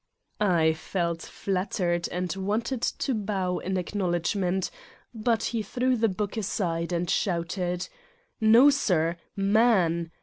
I felt flattered and wanted to bow in acknowl edgment, but he threw the book aside and shouted : "No, sir: Man!